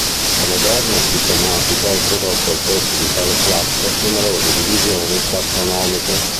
La moderna sistematica ha introdotto al posto di tale classe numerose divisioni tassonomiche.